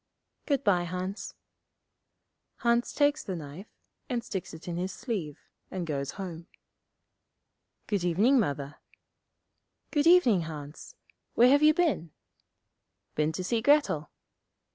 'Good bye, Hans.' Hans takes the knife, and sticks it in his sleeve, and goes home. 'Good evening, Mother.' 'Good evening, Hans. Where have you been?' 'Been to see Grettel.'